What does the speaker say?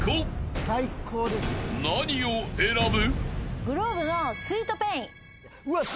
［何を選ぶ？］